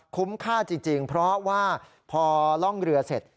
คุ้มค่าจริงเพราะว่าพอล่องเรือเสร็จ